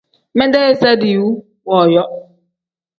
Medee iza diiwu wooyo.